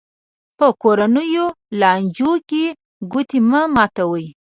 په کورنیو لانجو کې ګوتې مه ماتوي.